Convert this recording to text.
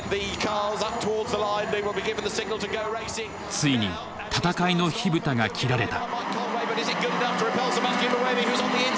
ついに戦いの火蓋が切られた。